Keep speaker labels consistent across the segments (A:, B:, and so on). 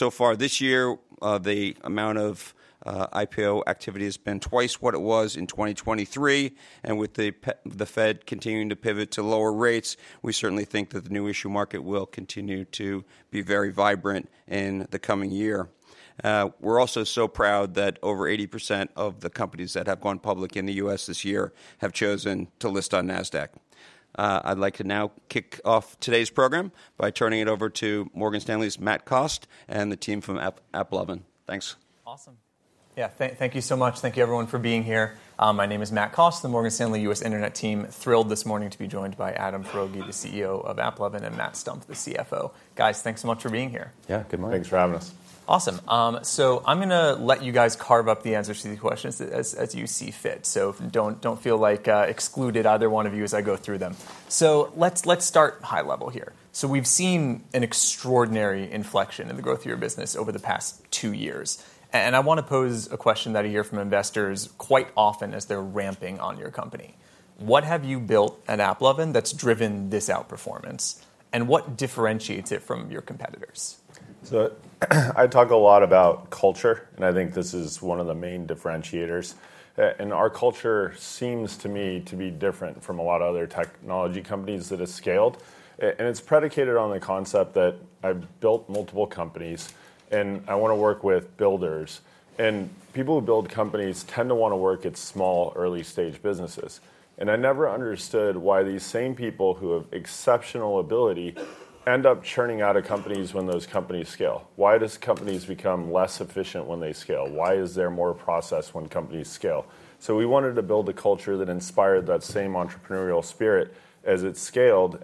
A: So far this year, the amount of IPO activity has been twice what it was in 2023, and with the Fed continuing to pivot to lower rates, we certainly think that the new issue market will continue to be very vibrant in the coming year. We're also so proud that over 80% of the companies that have gone public in the U.S. this year have chosen to list on Nasdaq. I'd like to now kick off today's program by turning it over to Morgan Stanley's Matt Cost and the team from AppLovin. Thanks.
B: Awesome. Yeah, thank you so much. Thank you, everyone, for being here. My name is Matt Cost, the Morgan Stanley U.S. Internet team. Thrilled this morning to be joined by Adam Foroughi, the CEO of AppLovin, and Matt Stumpf, the CFO. Guys, thanks so much for being here.
C: Yeah, good morning.
D: Thanks for having us.
B: Awesome. So I'm going to let you guys carve up the answers to these questions as you see fit. So don't feel excluded, either one of you, as I go through them. So let's start high level here. So we've seen an extraordinary inflection in the growth of your business over the past two years. And I want to pose a question that I hear from investors quite often as they're ramping on your company. What have you built at AppLovin that's driven this outperformance? And what differentiates it from your competitors?
D: So I talk a lot about culture. And I think this is one of the main differentiators. And our culture seems to me to be different from a lot of other technology companies that have scaled. And it's predicated on the concept that I've built multiple companies. And I want to work with builders. And people who build companies tend to want to work at small, early-stage businesses. And I never understood why these same people who have exceptional ability end up churning out of companies when those companies scale. Why do companies become less efficient when they scale? Why is there more process when companies scale? So we wanted to build a culture that inspired that same entrepreneurial spirit as it scaled.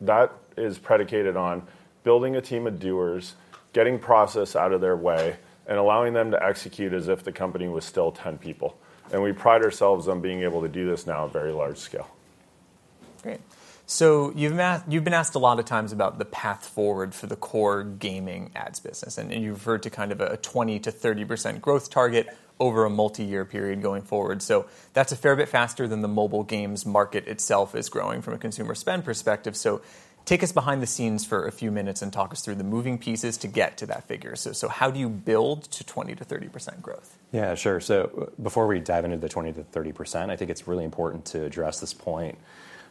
D: That is predicated on building a team of doers, getting process out of their way, and allowing them to execute as if the company was still 10 people. We pride ourselves on being able to do this now at very large scale.
B: Great. So you've been asked a lot of times about the path forward for the core gaming ads business. And you've heard to kind of a 20%-30% growth target over a multi-year period going forward. So that's a fair bit faster than the mobile games market itself is growing from a consumer spend perspective. So take us behind the scenes for a few minutes and talk us through the moving pieces to get to that figure. So how do you build to 20%-30% growth?
C: Yeah, sure. So before we dive into the 20%-30%, I think it's really important to address this point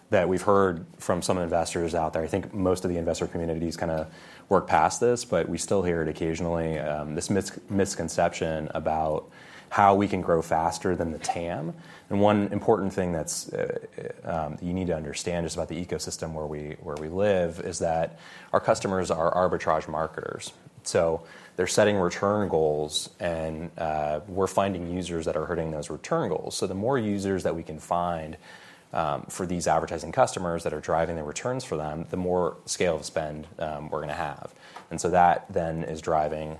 C: that we've heard from some investors out there. I think most of the investor community has kind of worked past this. But we still hear it occasionally, this misconception about how we can grow faster than the TAM. And one important thing that you need to understand just about the ecosystem where we live is that our customers are arbitrage marketers. So they're setting return goals. And we're finding users that are hitting those return goals. So the more users that we can find for these advertising customers that are driving the returns for them, the more scale of spend we're going to have. And so that then is driving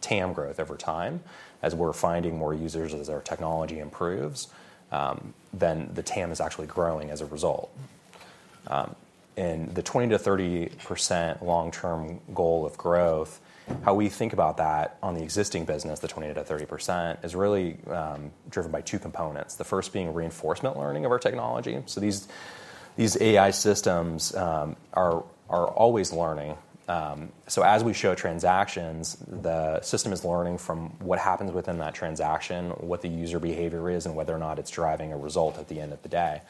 C: TAM growth over time. As we're finding more users, as our technology improves, then the TAM is actually growing as a result. And the 20%-30% long-term goal of growth, how we think about that on the existing business, the 20%-30%, is really driven by two components, the first being reinforcement learning of our technology. So these AI systems are always learning. So as we show transactions, the system is learning from what happens within that transaction, what the user behavior is, and whether or not it's driving a result at the end of the day.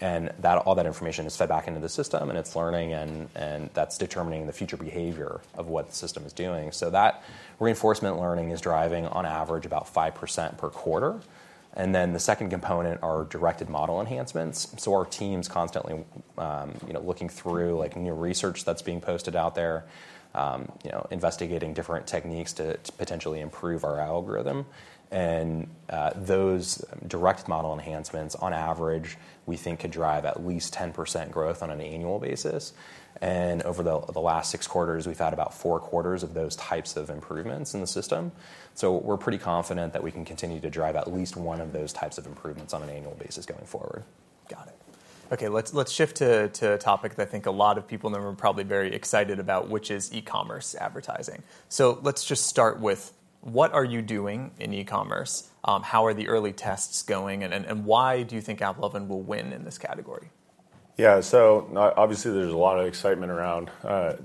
C: And all that information is fed back into the system. And it's learning. And that's determining the future behavior of what the system is doing. So that reinforcement learning is driving, on average, about 5% per quarter. And then the second component are directed model enhancements. So our team's constantly looking through new research that's being posted out there, investigating different techniques to potentially improve our algorithm. And those direct model enhancements, on average, we think could drive at least 10% growth on an annual basis. And over the last six quarters, we've had about four quarters of those types of improvements in the system. So we're pretty confident that we can continue to drive at least one of those types of improvements on an annual basis going forward.
B: Got it. OK, let's shift to a topic that I think a lot of people in the room are probably very excited about, which is e-commerce advertising. So let's just start with, what are you doing in e-commerce? How are the early tests going? And why do you think AppLovin will win in this category?
D: Yeah, so obviously, there's a lot of excitement around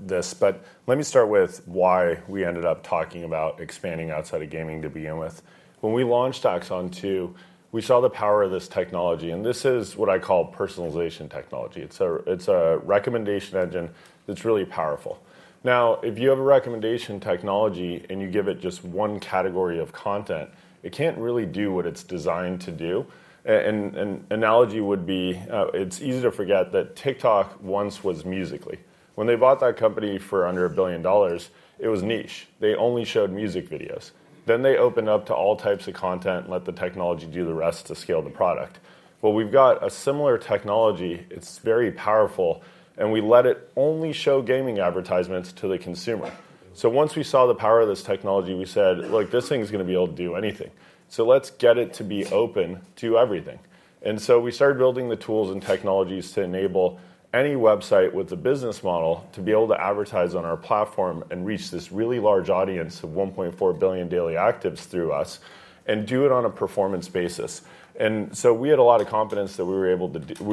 D: this. But let me start with why we ended up talking about expanding outside of gaming to begin with. When we launched AXON 2, we saw the power of this technology. And this is what I call personalization technology. It's a recommendation engine that's really powerful. Now, if you have a recommendation technology and you give it just one category of content, it can't really do what it's designed to do. An analogy would be it's easy to forget that TikTok once was Musical.ly. When they bought that company for under $1 billion, it was niche. They only showed music videos. Then they opened up to all types of content and let the technology do the rest to scale the product. Well, we've got a similar technology. It's very powerful. And we let it only show gaming advertisements to the consumer. So once we saw the power of this technology, we said, look, this thing's going to be able to do anything. So let's get it to be open to everything. And so we started building the tools and technologies to enable any website with a business model to be able to advertise on our platform and reach this really large audience of 1.4 billion daily actives through us and do it on a performance basis. And so we had a lot of confidence that we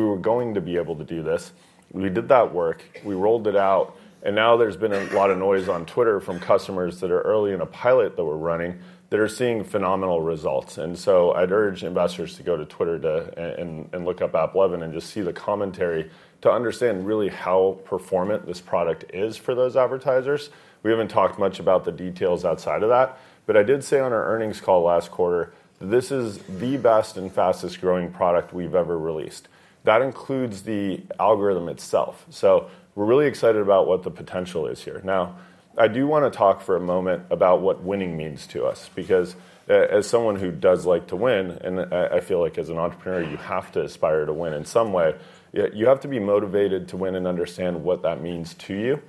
D: were going to be able to do this. We did that work. We rolled it out. And now there's been a lot of noise on Twitter from customers that are early in a pilot that we're running that are seeing phenomenal results. And so I'd urge investors to go to Twitter and look up AppLovin and just see the commentary to understand really how performant this product is for those advertisers. We haven't talked much about the details outside of that. But I did say on our earnings call last quarter, this is the best and fastest growing product we've ever released. That includes the algorithm itself. So we're really excited about what the potential is here. Now, I do want to talk for a moment about what winning means to us. Because as someone who does like to win, and I feel like as an entrepreneur, you have to aspire to win in some way. You have to be motivated to win and understand what that means to you.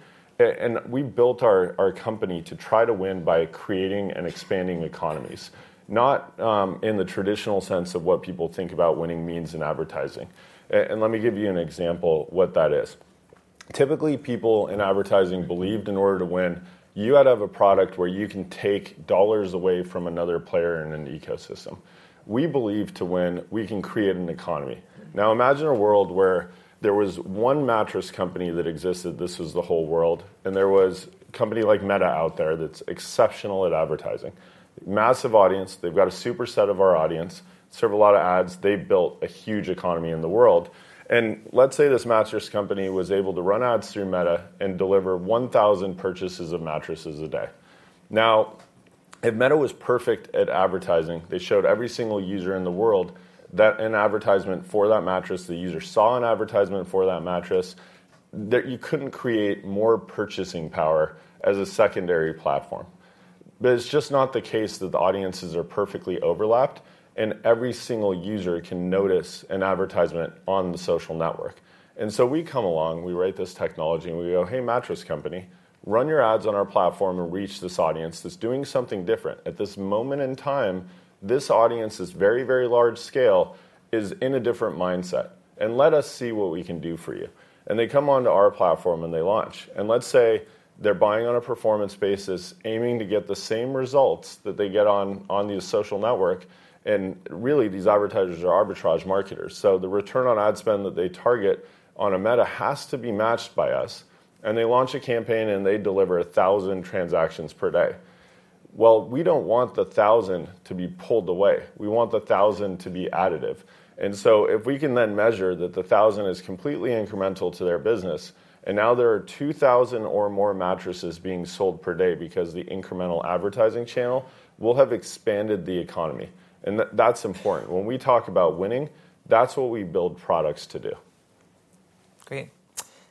D: We built our company to try to win by creating and expanding economies, not in the traditional sense of what people think about winning means in advertising. Let me give you an example of what that is. Typically, people in advertising believed in order to win, you had to have a product where you can take dollars away from another player in an ecosystem. We believe to win, we can create an economy. Now, imagine a world where there was one mattress company that existed. This was the whole world. There was a company like Meta out there that's exceptional at advertising, massive audience. They've got a super set of our audience, serve a lot of ads. They built a huge economy in the world. Let's say this mattress company was able to run ads through Meta and deliver 1,000 purchases of mattresses a day. Now, if Meta was perfect at advertising, they showed every single user in the world an advertisement for that mattress, the user saw an advertisement for that mattress, that you couldn't create more purchasing power as a secondary platform, but it's just not the case that the audiences are perfectly overlapped, and every single user can notice an advertisement on the social network, so we come along. We write this technology, and we go, "Hey, mattress company, run your ads on our platform and reach this audience that's doing something different. At this moment in time, this audience is very, very large scale, is in a different mindset, and let us see what we can do for you," and they come onto our platform and they launch. And let's say they're buying on a performance basis, aiming to get the same results that they get on the social network. And really, these advertisers are arbitrage marketers. So the return on ad spend that they target on a Meta has to be matched by us. And they launch a campaign. And they deliver 1,000 transactions per day. Well, we don't want the 1,000 to be pulled away. We want the 1,000 to be additive. And so if we can then measure that the 1,000 is completely incremental to their business, and now there are 2,000 or more mattresses being sold per day because the incremental advertising channel will have expanded the economy. And that's important. When we talk about winning, that's what we build products to do.
B: Great.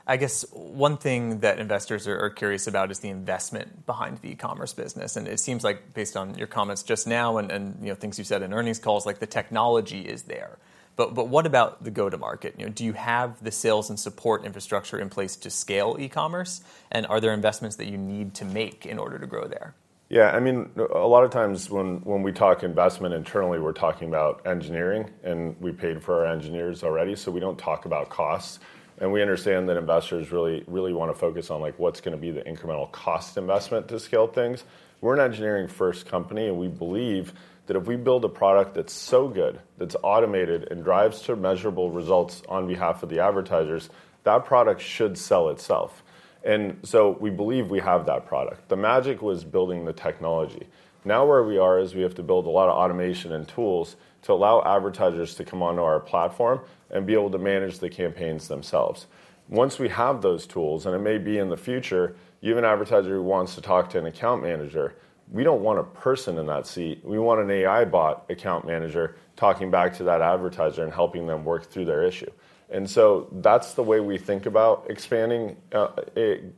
B: I guess one thing that investors are curious about is the investment behind the e-commerce business. And it seems like, based on your comments just now and things you've said in earnings calls, like the technology is there. But what about the go-to-market? Do you have the sales and support infrastructure in place to scale e-commerce? And are there investments that you need to make in order to grow there?
D: Yeah, I mean, a lot of times when we talk investment internally, we're talking about engineering. And we paid for our engineers already. So we don't talk about costs. And we understand that investors really want to focus on what's going to be the incremental cost investment to scale things. We're an engineering-first company. And we believe that if we build a product that's so good, that's automated, and drives to measurable results on behalf of the advertisers, that product should sell itself. And so we believe we have that product. The magic was building the technology. Now where we are is we have to build a lot of automation and tools to allow advertisers to come onto our platform and be able to manage the campaigns themselves. Once we have those tools, and it may be in the future, you have an advertiser who wants to talk to an account manager. We don't want a person in that seat. We want an AI bot account manager talking back to that advertiser and helping them work through their issue, and so that's the way we think about expanding,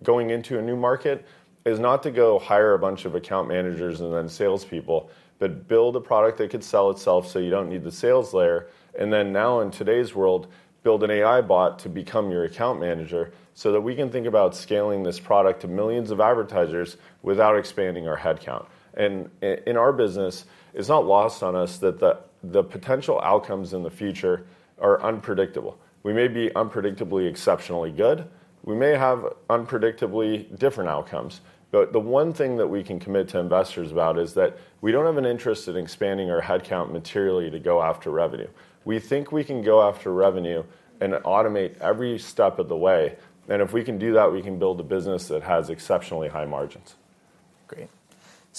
D: going into a new market, is not to go hire a bunch of account managers and then salespeople, but build a product that could sell itself so you don't need the sales layer, and then now in today's world, build an AI bot to become your account manager so that we can think about scaling this product to millions of advertisers without expanding our headcount, and in our business, it's not lost on us that the potential outcomes in the future are unpredictable. We may be unpredictably exceptionally good. We may have unpredictably different outcomes. But the one thing that we can commit to investors about is that we don't have an interest in expanding our headcount materially to go after revenue. We think we can go after revenue and automate every step of the way. And if we can do that, we can build a business that has exceptionally high margins.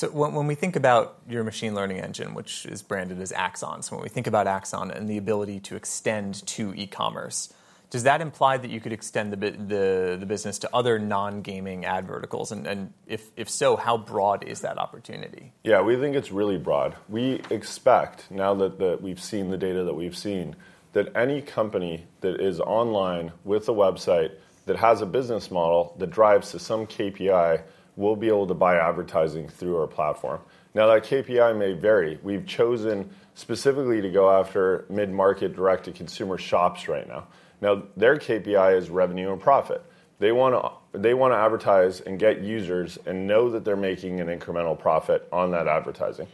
B: Great, so when we think about your machine learning engine, which is branded as AXON, so when we think about AXON and the ability to extend to e-commerce, does that imply that you could extend the business to other non-gaming ad verticals? And if so, how broad is that opportunity?
D: Yeah, we think it's really broad. We expect, now that we've seen the data that we've seen, that any company that is online with a website that has a business model that drives to some KPI will be able to buy advertising through our platform. Now, that KPI may vary. We've chosen specifically to go after mid-market direct-to-consumer shops right now. Now, their KPI is revenue and profit. They want to advertise and get users and know that they're making an incremental profit on that advertising.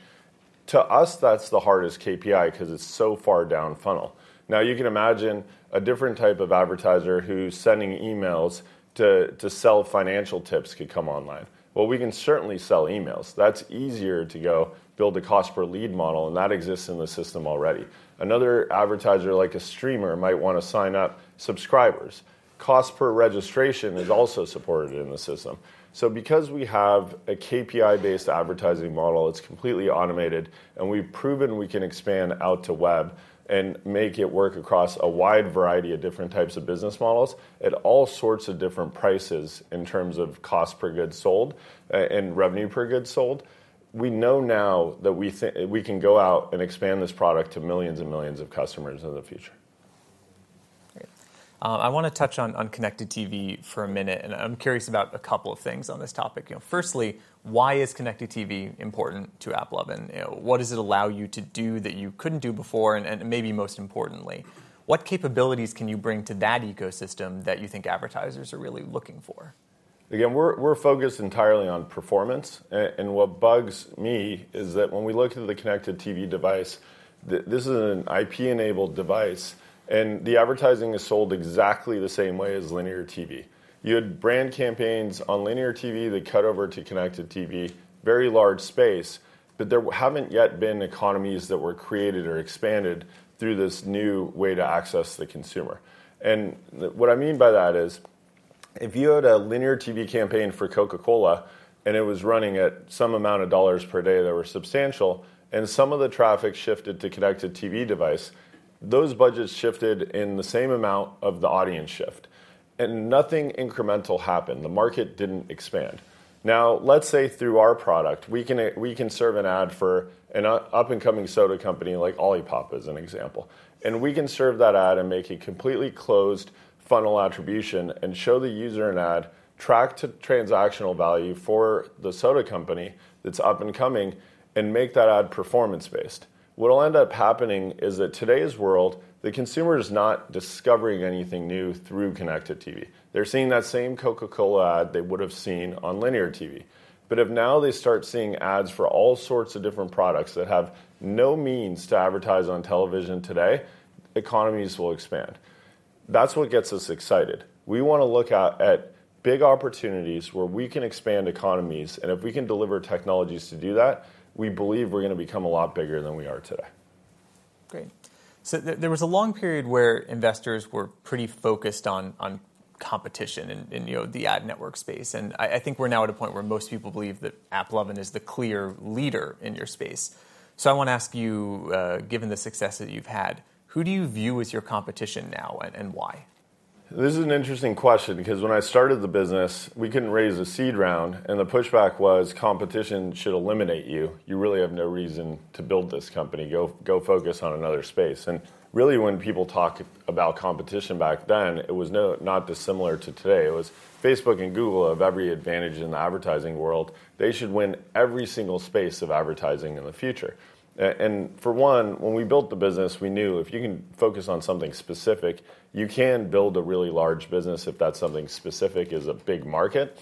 D: To us, that's the hardest KPI because it's so far down funnel. Now, you can imagine a different type of advertiser who's sending emails to sell financial tips could come online, well, we can certainly sell emails, that's easier to go build a cost per lead model, and that exists in the system already. Another advertiser, like a streamer, might want to sign up subscribers. Cost per registration is also supported in the system, so because we have a KPI-based advertising model, it's completely automated, and we've proven we can expand out to web and make it work across a wide variety of different types of business models at all sorts of different prices in terms of cost per goods sold and revenue per goods sold. We know now that we can go out and expand this product to millions and millions of customers in the future.
B: I want to touch on connected TV for a minute, and I'm curious about a couple of things on this topic. Firstly, why is connected TV important to AppLovin? What does it allow you to do that you couldn't do before? And maybe most importantly, what capabilities can you bring to that ecosystem that you think advertisers are really looking for?
D: Again, we're focused entirely on performance. And what bugs me is that when we look at the connected TV device, this is an IP-enabled device. And the advertising is sold exactly the same way as linear TV. You had brand campaigns on linear TV that cut over to connected TV, very large space. But there haven't yet been economies that were created or expanded through this new way to access the consumer. And what I mean by that is if you had a linear TV campaign for Coca-Cola and it was running at some amount of dollars per day that were substantial, and some of the traffic shifted to connected TV device, those budgets shifted in the same amount of the audience shift. And nothing incremental happened. The market didn't expand. Now, let's say through our product, we can serve an ad for an up-and-coming soda company like Olipop, as an example, and we can serve that ad and make a completely closed funnel attribution and show the user an ad, track to transactional value for the soda company that's up-and-coming, and make that ad performance-based. What will end up happening is that in today's world, the consumer is not discovering anything new through connected TV. They're seeing that same Coca-Cola ad they would have seen on linear TV, but if now they start seeing ads for all sorts of different products that have no means to advertise on television today, economies will expand. That's what gets us excited. We want to look at big opportunities where we can expand economies. If we can deliver technologies to do that, we believe we're going to become a lot bigger than we are today.
B: Great. So there was a long period where investors were pretty focused on competition in the ad network space. And I think we're now at a point where most people believe that AppLovin is the clear leader in your space. So I want to ask you, given the success that you've had, who do you view as your competition now and why?
D: This is an interesting question. Because when I started the business, we couldn't raise a seed round. And the pushback was competition should eliminate you. You really have no reason to build this company. Go focus on another space. And really, when people talk about competition back then, it was not dissimilar to today. It was Facebook and Google have every advantage in the advertising world. They should win every single space of advertising in the future. And for one, when we built the business, we knew if you can focus on something specific, you can build a really large business if that's something specific, is a big market,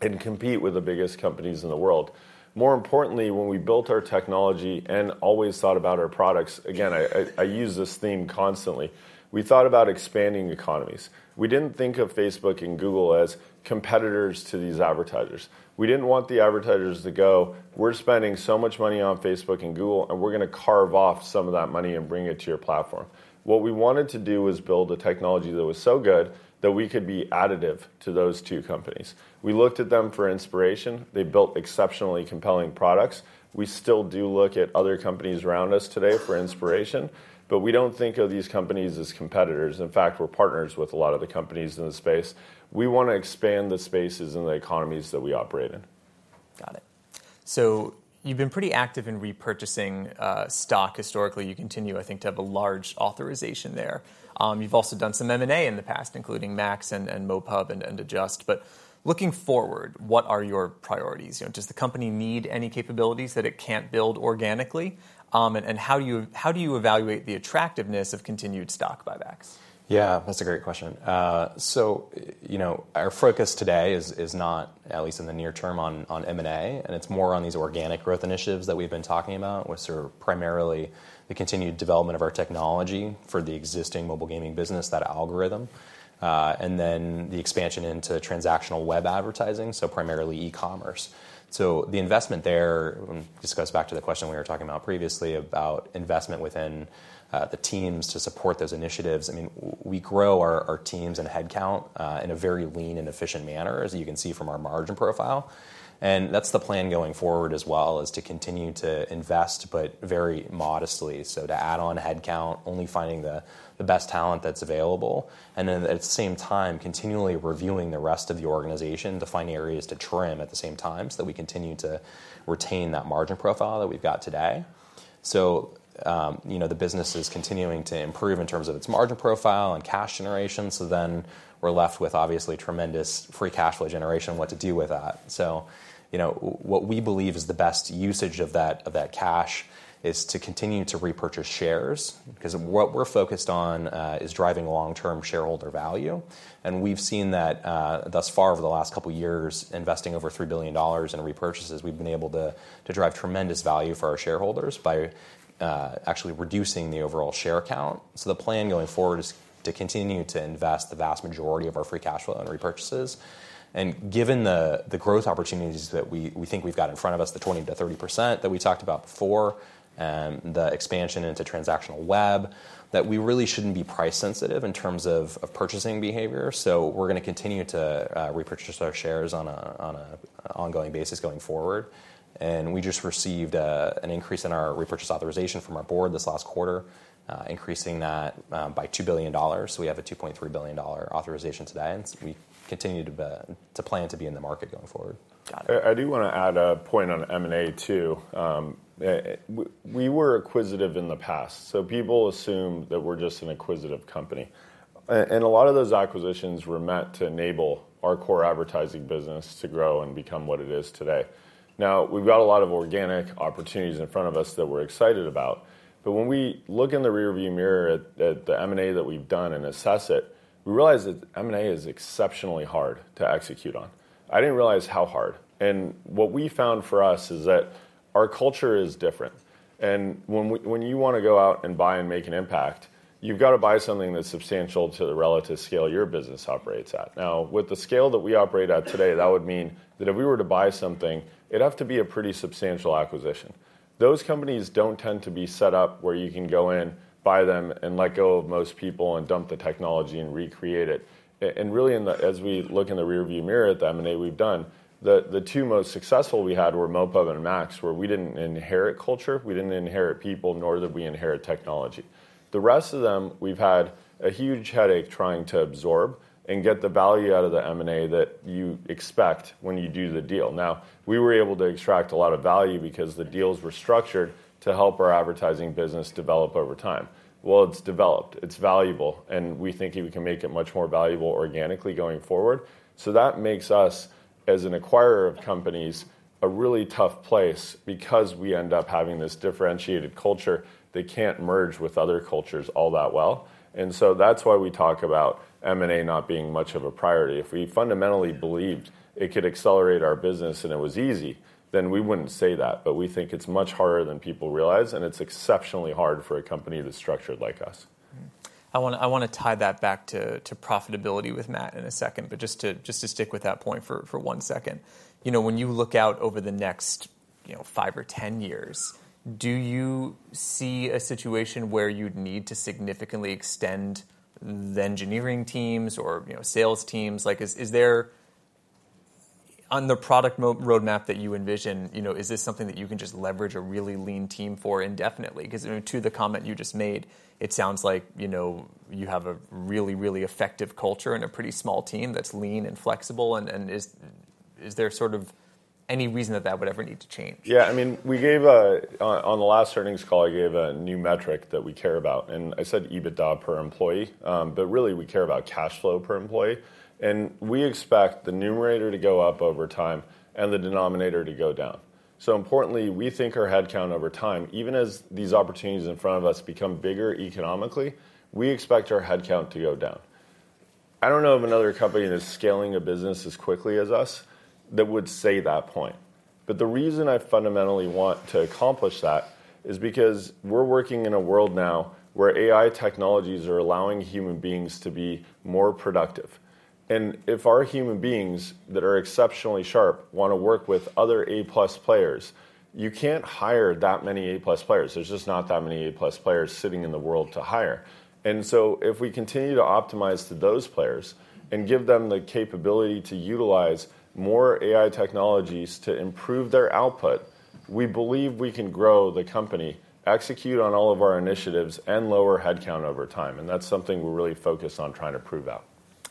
D: and compete with the biggest companies in the world. More importantly, when we built our technology and always thought about our products, again, I use this theme constantly, we thought about expanding economies. We didn't think of Facebook and Google as competitors to these advertisers. We didn't want the advertisers to go, we're spending so much money on Facebook and Google, and we're going to carve off some of that money and bring it to your platform. What we wanted to do was build a technology that was so good that we could be additive to those two companies. We looked at them for inspiration. They built exceptionally compelling products. We still do look at other companies around us today for inspiration. But we don't think of these companies as competitors. In fact, we're partners with a lot of the companies in the space. We want to expand the spaces and the economies that we operate in.
B: Got it. So you've been pretty active in repurchasing stock historically. You continue, I think, to have a large authorization there. You've also done some M&A in the past, including MAX and MoPub and Adjust. But looking forward, what are your priorities? Does the company need any capabilities that it can't build organically? And how do you evaluate the attractiveness of continued stock buybacks?
C: Yeah, that's a great question. So our focus today is not, at least in the near term, on M&A, and it's more on these organic growth initiatives that we've been talking about, which are primarily the continued development of our technology for the existing mobile gaming business, that algorithm, and then the expansion into transactional web advertising, so primarily e-commerce, so the investment there, this goes back to the question we were talking about previously about investment within the teams to support those initiatives. I mean, we grow our teams and headcount in a very lean and efficient manner, as you can see from our margin profile. And that's the plan going forward as well, is to continue to invest, but very modestly, so to add on headcount, only finding the best talent that's available, and then at the same time, continually reviewing the rest of the organization to find areas to trim at the same time so that we continue to retain that margin profile that we've got today. So the business is continuing to improve in terms of its margin profile and cash generation. So then we're left with, obviously, tremendous free cash flow generation, what to do with that. So what we believe is the best usage of that cash is to continue to repurchase shares. Because what we're focused on is driving long-term shareholder value. We've seen that thus far over the last couple of years, investing over $3 billion in repurchases, we've been able to drive tremendous value for our shareholders by actually reducing the overall share count. The plan going forward is to continue to invest the vast majority of our free cash flow in repurchases. Given the growth opportunities that we think we've got in front of us, the 20%-30% that we talked about before, the expansion into transactional web, that we really shouldn't be price sensitive in terms of purchasing behavior. We're going to continue to repurchase our shares on an ongoing basis going forward. We just received an increase in our repurchase authorization from our board this last quarter, increasing that by $2 billion. We have a $2.3 billion authorization today. We continue to plan to be in the market going forward.
B: Got it.
D: I do want to add a point on M&A too. We were acquisitive in the past. So people assumed that we're just an acquisitive company. And a lot of those acquisitions were meant to enable our core advertising business to grow and become what it is today. Now, we've got a lot of organic opportunities in front of us that we're excited about. But when we look in the rearview mirror at the M&A that we've done and assess it, we realize that M&A is exceptionally hard to execute on. I didn't realize how hard. And what we found for us is that our culture is different. And when you want to go out and buy and make an impact, you've got to buy something that's substantial to the relative scale your business operates at. Now, with the scale that we operate at today, that would mean that if we were to buy something, it'd have to be a pretty substantial acquisition. Those companies don't tend to be set up where you can go in, buy them, and let go of most people and dump the technology and recreate it, and really, as we look in the rearview mirror at the M&A we've done, the two most successful we had were MoPub and MAX, where we didn't inherit culture. We didn't inherit people, nor did we inherit technology. The rest of them, we've had a huge headache trying to absorb and get the value out of the M&A that you expect when you do the deal. Now, we were able to extract a lot of value because the deals were structured to help our advertising business develop over time, well, it's developed. It's valuable. And we think we can make it much more valuable organically going forward. So that makes us, as an acquirer of companies, a really tough place because we end up having this differentiated culture that can't merge with other cultures all that well. And so that's why we talk about M&A not being much of a priority. If we fundamentally believed it could accelerate our business and it was easy, then we wouldn't say that. But we think it's much harder than people realize. And it's exceptionally hard for a company that's structured like us.
B: I want to tie that back to profitability with Matt in a second. But just to stick with that point for one second, when you look out over the next five or 10 years, do you see a situation where you'd need to significantly extend the engineering teams or sales teams? On the product roadmap that you envision, is this something that you can just leverage a really lean team for indefinitely? Because to the comment you just made, it sounds like you have a really, really effective culture and a pretty small team that's lean and flexible. And is there sort of any reason that that would ever need to change?
D: Yeah. I mean, on the last earnings call, I gave a new metric that we care about, and I said EBITDA per employee, but really, we care about cash flow per employee, and we expect the numerator to go up over time and the denominator to go down, so importantly, we think our headcount over time, even as these opportunities in front of us become bigger economically, we expect our headcount to go down. I don't know of another company that is scaling a business as quickly as us that would say that point, but the reason I fundamentally want to accomplish that is because we're working in a world now where AI technologies are allowing human beings to be more productive, and if our human beings that are exceptionally sharp want to work with other A+ players, you can't hire that many A+ players. There's just not that many A+ players sitting in the world to hire. And so if we continue to optimize to those players and give them the capability to utilize more AI technologies to improve their output, we believe we can grow the company, execute on all of our initiatives, and lower headcount over time. And that's something we're really focused on trying to prove out.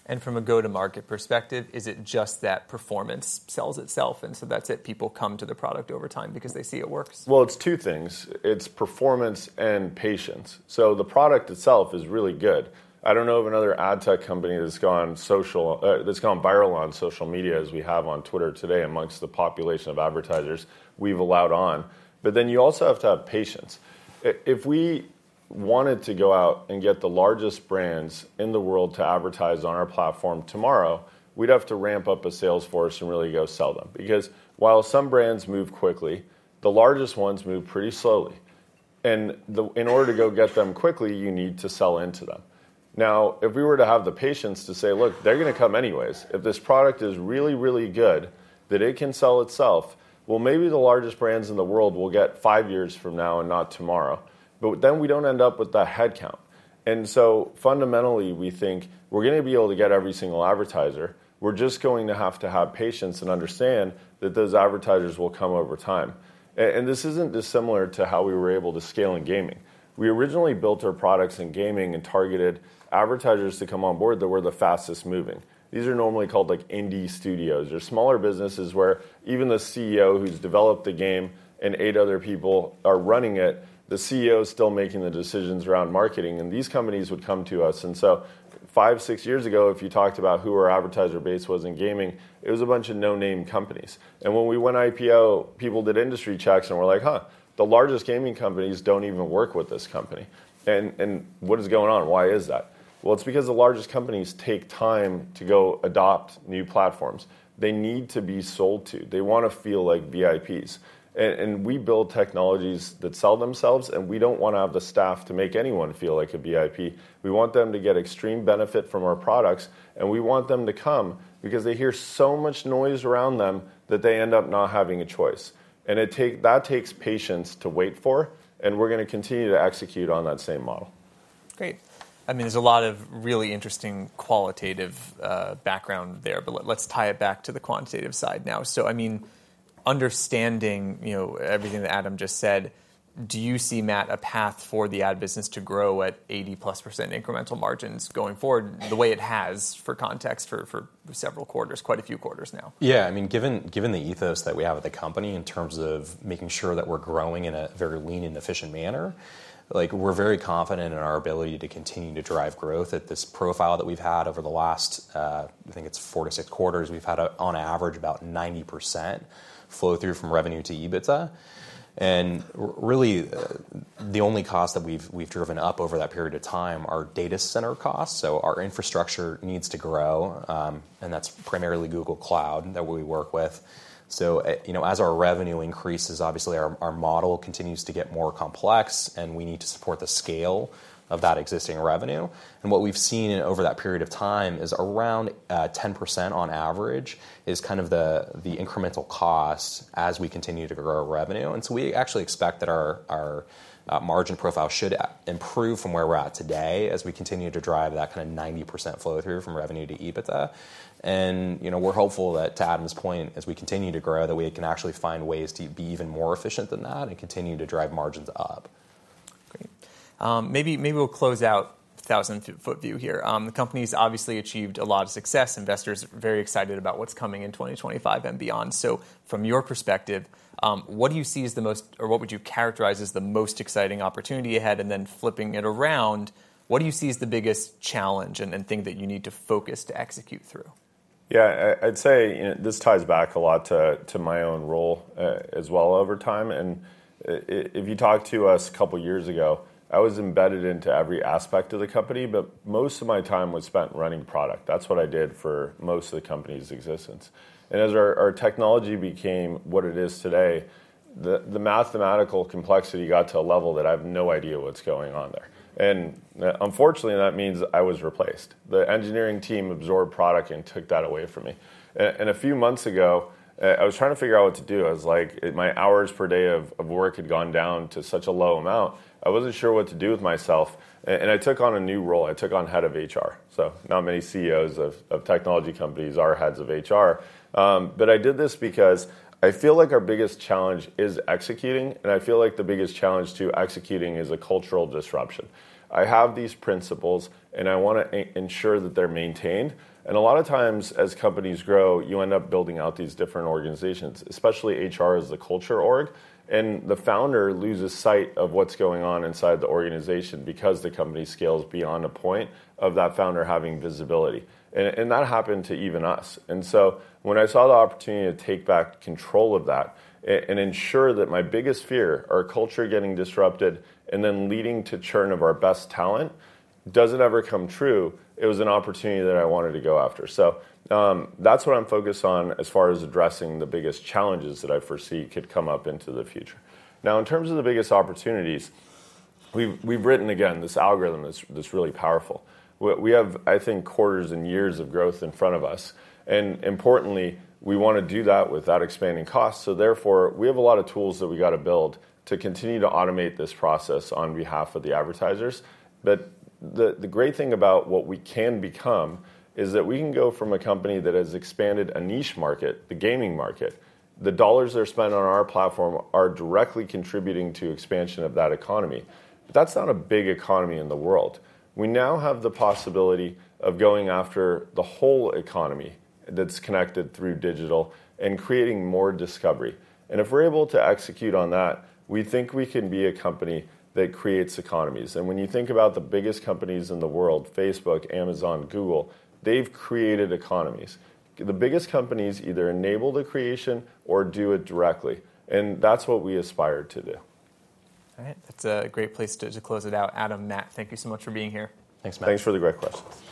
B: And from a go-to-market perspective, is it just that performance sells itself? And so that's it, people come to the product over time because they see it works?
D: It's two things. It's performance and patience. So the product itself is really good. I don't know of another ad tech company that's gone viral on social media as we have on Twitter today amongst the population of advertisers we've allowed on. But then you also have to have patience. If we wanted to go out and get the largest brands in the world to advertise on our platform tomorrow, we'd have to ramp up a sales force and really go sell them. Because while some brands move quickly, the largest ones move pretty slowly. And in order to go get them quickly, you need to sell into them. Now, if we were to have the patience to say, look, they're going to come anyways, if this product is really, really good, that it can sell itself, well, maybe the largest brands in the world will get five years from now and not tomorrow. But then we don't end up with that headcount. And so fundamentally, we think we're going to be able to get every single advertiser. We're just going to have to have patience and understand that those advertisers will come over time. And this isn't dissimilar to how we were able to scale in gaming. We originally built our products in gaming and targeted advertisers to come on board that were the fastest moving. These are normally called indie studios. They're smaller businesses where even the CEO who's developed the game and eight other people are running it, the CEO is still making the decisions around marketing, and these companies would come to us, and so five, six years ago, if you talked about who our advertiser base was in gaming, it was a bunch of no-name companies, and when we went IPO, people did industry checks, and we're like, huh, the largest gaming companies don't even work with this company, and what is going on? Why is that? Well, it's because the largest companies take time to go adopt new platforms. They need to be sold to. They want to feel like VIPs, and we build technologies that sell themselves, and we don't want to have the staff to make anyone feel like a VIP. We want them to get extreme benefit from our products. And we want them to come because they hear so much noise around them that they end up not having a choice. And that takes patience to wait for. And we're going to continue to execute on that same model.
B: Great. I mean, there's a lot of really interesting qualitative background there. But let's tie it back to the quantitative side now. So I mean, understanding everything that Adam just said, do you see, Matt, a path for the ad business to grow at 80%+ incremental margins going forward the way it has for context for several quarters, quite a few quarters now?
C: Yeah. I mean, given the ethos that we have at the company in terms of making sure that we're growing in a very lean and efficient manner, we're very confident in our ability to continue to drive growth at this profile that we've had over the last, I think it's four to six quarters, we've had on average about 90% flow through from revenue to EBITDA. And really, the only cost that we've driven up over that period of time are data center costs. So our infrastructure needs to grow. And that's primarily Google Cloud that we work with. So as our revenue increases, obviously, our model continues to get more complex. And we need to support the scale of that existing revenue. And what we've seen over that period of time is around 10% on average is kind of the incremental cost as we continue to grow revenue. And so we actually expect that our margin profile should improve from where we're at today as we continue to drive that kind of 90% flow through from revenue to EBITDA. And we're hopeful that to Adam's point, as we continue to grow, that we can actually find ways to be even more efficient than that and continue to drive margins up.
B: Great. Maybe we'll close out 1,000-ft view here. The company's obviously achieved a lot of success. Investors are very excited about what's coming in 2025 and beyond. So from your perspective, what do you see as the most or what would you characterize as the most exciting opportunity ahead? And then flipping it around, what do you see as the biggest challenge and thing that you need to focus to execute through?
D: Yeah. I'd say this ties back a lot to my own role as well over time. And if you talk to us a couple of years ago, I was embedded into every aspect of the company. But most of my time was spent running product. That's what I did for most of the company's existence. And as our technology became what it is today, the mathematical complexity got to a level that I have no idea what's going on there. And unfortunately, that means I was replaced. The engineering team absorbed product and took that away from me. And a few months ago, I was trying to figure out what to do. I was like, my hours per day of work had gone down to such a low amount. I wasn't sure what to do with myself. And I took on a new role. I took on head of HR. So not many CEOs of technology companies are heads of HR. But I did this because I feel like our biggest challenge is executing. And I feel like the biggest challenge to executing is a cultural disruption. I have these principles. And I want to ensure that they're maintained. And a lot of times, as companies grow, you end up building out these different organizations, especially HR as the culture org. And the founder loses sight of what's going on inside the organization because the company scales beyond a point of that founder having visibility. And that happened to even us. And so when I saw the opportunity to take back control of that and ensure that my biggest fear, our culture getting disrupted and then leading to churn of our best talent, doesn't ever come true, it was an opportunity that I wanted to go after. So that's what I'm focused on as far as addressing the biggest challenges that I foresee could come up into the future. Now, in terms of the biggest opportunities, we've written, again, this algorithm that's really powerful. We have, I think, quarters and years of growth in front of us. And importantly, we want to do that without expanding costs. So therefore, we have a lot of tools that we've got to build to continue to automate this process on behalf of the advertisers. But the great thing about what we can become is that we can go from a company that has expanded a niche market, the gaming market, the dollars that are spent on our platform are directly contributing to the expansion of that economy. But that's not a big economy in the world. We now have the possibility of going after the whole economy that's connected through digital and creating more discovery, and if we're able to execute on that, we think we can be a company that creates economies, and when you think about the biggest companies in the world, Facebook, Amazon, Google, they've created economies. The biggest companies either enable the creation or do it directly, and that's what we aspire to do.
B: All right. That's a great place to close it out. Adam, Matt, thank you so much for being here.
C: Thanks, Matt.
D: Thanks for the great questions.